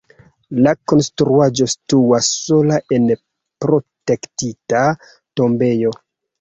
La konstruaĵo situas sola en protektita tombejo.